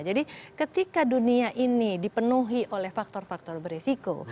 jadi ketika dunia ini dipenuhi oleh faktor faktor beresiko